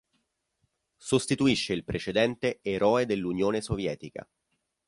Sostituisce il precedente Eroe dell'Unione Sovietica.